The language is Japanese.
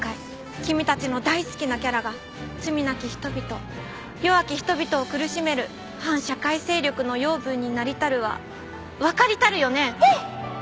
君たちの大好きなキャラが罪なき人々弱き人々を苦しめる反社会勢力の養分になりたるはわかりたるよね？